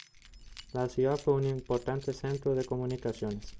La ciudad fue un importante centro de comunicaciones.